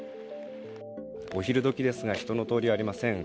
お昼時ですが人の通りありません。